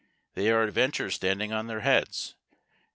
They are adventures standing on their heads.